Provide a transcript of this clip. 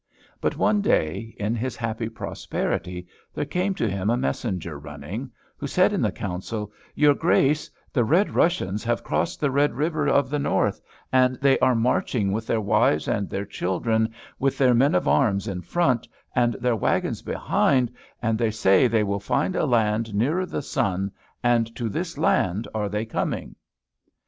But one day, in his happy prosperity, there came to him a messenger running, who said in the Council, "Your Grace, the Red Russians have crossed the Red River of the north, and they are marching with their wives and their children with their men of arms in front, and their wagons behind, and they say they will find a land nearer the sun, and to this land are they coming."